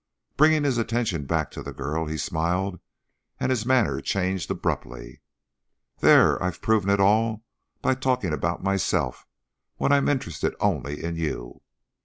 Bringing his attention back to the girl, he smiled and his manner changed abruptly. "There! I've proved it all by talking about myself when I'm interested only in you.